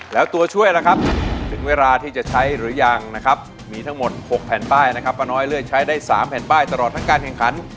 แล้วตัวช่วยล่ะครับถึงเวลาที่จะใช้หรือยังนะครับมีทั้งหมด๖แผ่นป้ายนะครับป้าน้อยเลือกใช้ได้๓แผ่นป้ายตลอดทั้งการแข่งขัน